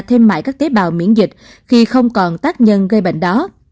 thêm mãi các tế bào miễn dịch khi không còn tác nhân gây bệnh đó